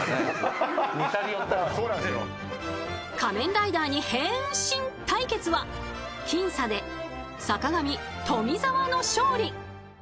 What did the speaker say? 仮面ライダーに変身対決は僅差で坂上、富澤の勝利。